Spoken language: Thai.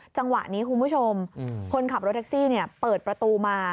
จังหวะนี้คุณผู้ชมคนขับรถแท็กซี่เปิดประตูมา